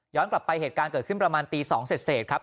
ย้อนกลับไปเหตุการณ์เกิดขึ้นประมาณตีสองเสร็จเสร็จครับ